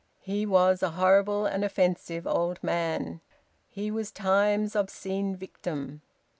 He was a horrible and offensive old man. He was Time's obscene victim.